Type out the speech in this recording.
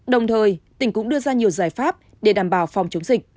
đồng thời tỉnh cũng đưa ra nhiều giải pháp để đảm bảo phòng chống dịch